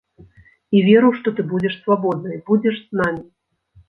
І веру, што ты будзеш свабоднай, будзеш з намі.